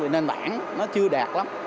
nên bản nó chưa đạt lắm